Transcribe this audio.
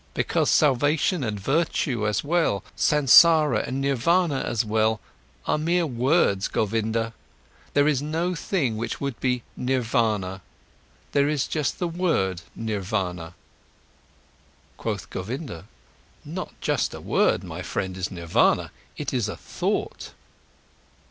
Because salvation and virtue as well, Sansara and Nirvana as well, are mere words, Govinda. There is no thing which would be Nirvana; there is just the word Nirvana." Quoth Govinda: "Not just a word, my friend, is Nirvana. It is a thought."